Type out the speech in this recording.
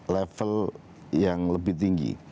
level yang lebih tinggi